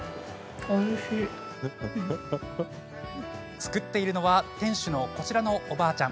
作っているのは店主のこちらのおばあちゃん。